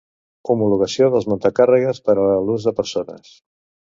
Homologació dels muntacàrregues per a l'ús de persones.